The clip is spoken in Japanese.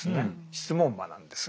質問魔なんです。